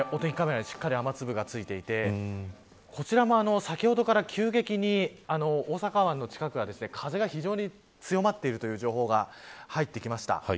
お天気カメラにしっかり雨粒が付いていてこちらも、先ほどから急激に大阪湾の近くは風が非常に強まっているという情報が入ってきました。